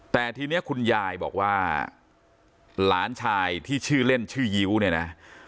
แต่ทีนี้คุณยายบอกว่าหลานชายที่ชื่อเล่นชื่อยิ้วเนี่ยนะ